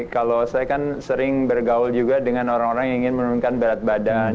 kalau saya kan sering bergaul juga dengan orang orang yang ingin menurunkan berat badan